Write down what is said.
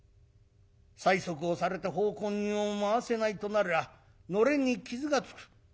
「催促をされて奉公人を回せないとなりゃのれんに傷がつく。